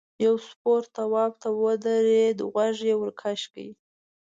یو سپور تواب ته ودرېد غوږ یې ورکش کړ.